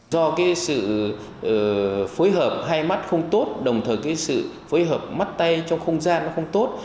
do sự phối hợp hai mắt không tốt đồng thời sự phối hợp mắt tay trong không gian không tốt